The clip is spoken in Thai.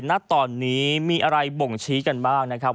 ณตอนนี้มีอะไรบ่งชี้กันบ้างนะครับ